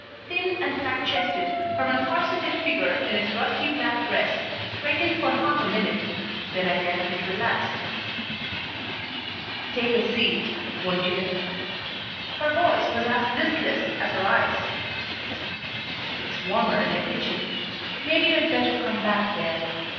Thin and flat chested, her uncorseted figure in its rusty black dress straightened for half a minute, then again it relaxed. "Take a seat, won't you?" Her voice was as listless as her eyes. "It's warmer in the kitchen. Maybe you'd better come back there.